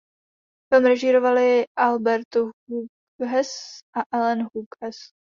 Film režírovali Albert Hughes a Allen Hughes.